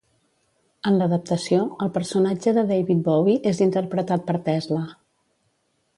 En l'adaptació, el personatge de David Bowie és interpretat per Tesla.